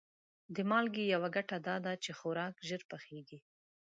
د مالګې یوه ګټه دا ده چې خوراک ژر پخیږي.